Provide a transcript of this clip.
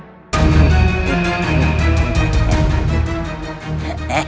bertekuk lutut di bawah kaki